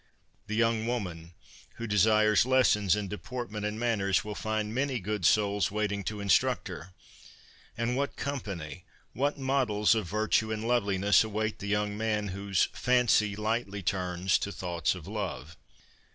The young woman who desires lessons in deportment and manners will find many good souls waiting to instruct her. And what company, what models of virtue and loveliness, await the young man whose ' fancy lightly turns to thoughts of love